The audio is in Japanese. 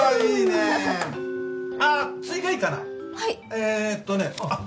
えっとねあっ